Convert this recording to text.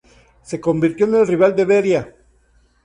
Se convirtió en rival de Beria.